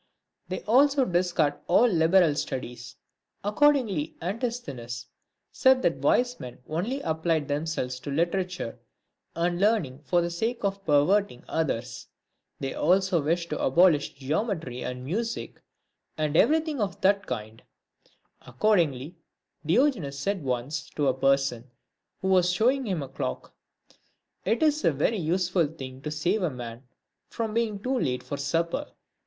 They also discard all' liberal studies. Accordingly, Antis thenes said that wise men only applied themselves to litera ture and learning for the sake of perverting others ; they also wish to abolish geometry and music, and everything of that 358 LIVES OF EMINENT PHILOSOPHERS. kind. Accordingly, Diogenes said once to a person who was showing him a clock ;" It is a very useful thing to save a man from being too late for supper."